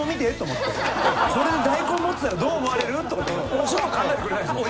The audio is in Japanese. これで大根持ってたらどう思われる？と思ってもそういうの考えてくれないですもん。